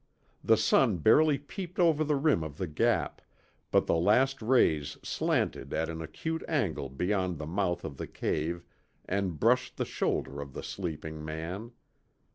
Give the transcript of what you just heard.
The sun barely peeped over the rim of the Gap, but the last rays slanted at an acute angle beyond the mouth of the cave and brushed the shoulder of the sleeping man.